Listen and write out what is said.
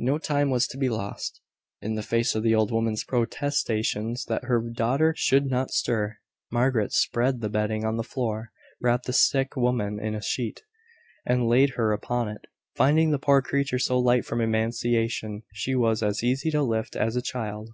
No time was to be lost. In the face of the old woman's protestations that her daughter should not stir, Margaret spread the bedding on the floor, wrapped the sick woman in a sheet, and laid her upon it, finding the poor creature so light from emaciation that she was as easy to lift as a child.